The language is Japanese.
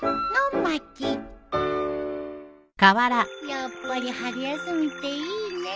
やっぱり春休みっていいね。